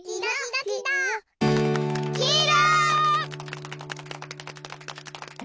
きいろ！